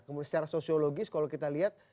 kemudian secara sosiologis kalau kita lihat